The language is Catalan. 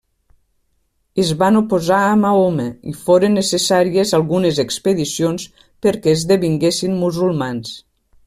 Es van oposar a Mahoma, i foren necessàries algunes expedicions perquè esdevinguessin musulmans.